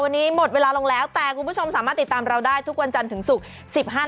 วันนี้หมดเวลาลงแล้วแต่คุณผู้ชมสามารถติดตามเราได้ทุกวันจันทร์ถึงศุกร์